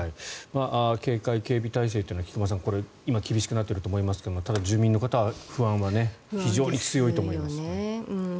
警戒警備体制というのは菊間さん、今厳しくなっていると思いますが住民の方、不安は非常に強いと思います。